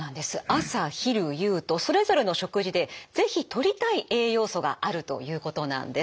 朝昼夕とそれぞれの食事で是非とりたい栄養素があるということなんです。